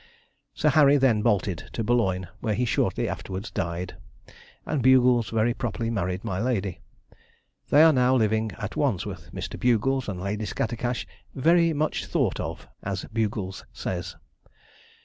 Sir Harry then bolted to Boulogne, where he shortly afterwards died, and Bugles very properly married my lady. They are now living at Wandsworth; Mr. Bugles and Lady Scattercash, very 'much thought of' as Bugles says.